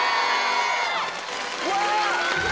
うわ！